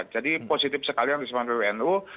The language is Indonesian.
jadi positif sekali yang disampaikan pbnu